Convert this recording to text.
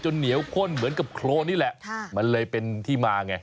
เหนียวข้นเหมือนกับโครนนี่แหละมันเลยเป็นที่มาไง